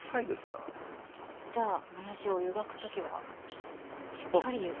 じゃあもやしを湯がく時はしっかり。